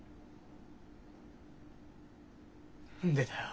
何でだよ。